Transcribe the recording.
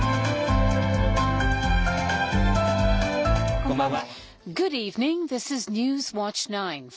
こんばんは。